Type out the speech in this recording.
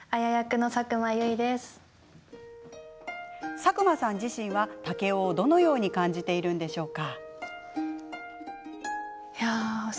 佐久間さん自身は竹雄をどのように感じているのでしょうか？